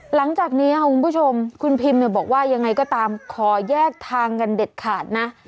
หลังจากนี้ค่ะคุณผู้ชมคุณพิมบอกว่ายังไงก็ตามขอแยกทางกันเด็ดขาดนะ